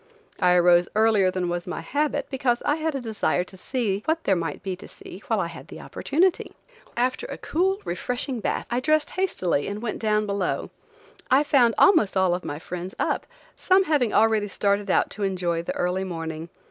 I arose earlier than was my habit, because I had a desire to see what there might be to see while I had the opportunity. After a cool, refreshing bath, I dressed hastily and went down below. I found almost all of my friends up, some having already started out to enjoy the early morning.